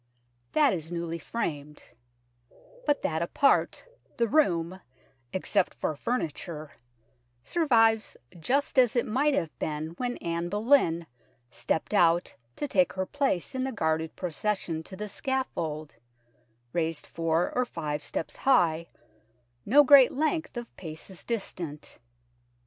That is newly framed ; but that apart, the room, except for furniture, survives just as it might have been when Anne Boleyn stepped out to take her place in the guarded procession to the scaffold, raised four or five steps high no great length of paces distant.